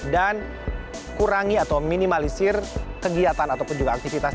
dan kurangi atau minimalisir kegiatan ataupun juga aktivitas